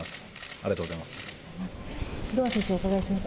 ありがとうございます。